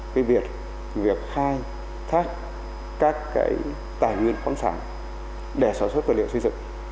cái việc khai thác các cái tài nguyên khoản sản để sản xuất tài liệu xây dựng